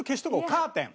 カーテン。